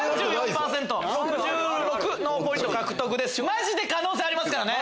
マジで可能性ありますからね。